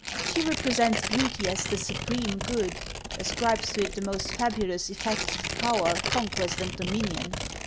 She represents beauty as the supreme good; ascribes to it the most fabulous effects of power, conquest, and dominion.